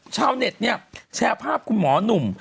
ชาวเน็ตเนี่ยแชร์ภาพคุณหมอหนุ่ม